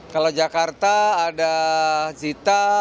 kalau jakarta ada zita